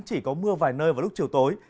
chỉ có mưa vài nơi vào lúc chiều tối